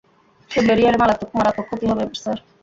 সে বেরিয়ে এলে মারাত্মক ক্ষতি হবে স্যার।